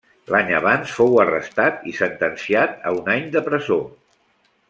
L'any abans fou arrestat i sentenciat a un any de presó.